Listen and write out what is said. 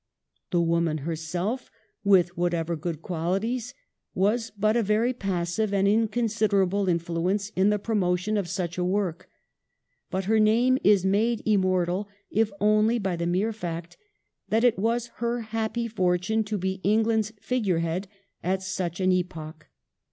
The woman herself, with whatever good qualities, was but a very passive and inconsiderable influence in the promotion of such a work ; but her name is made immortal if only by the mere fact that it was her happy fortune to be England's figure head at such an epoch.